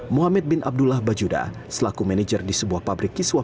muhammad bin abdullah bajuda selaku manajer di sebuah pabrik kiswa